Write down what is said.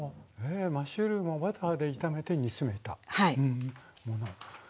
マッシュルームをバターで炒めて煮詰めたもの。